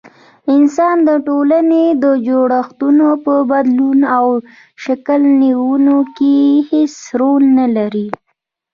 انسان د ټولني د جوړښتونو په بدلون او شکل نيوني کي هيڅ رول نلري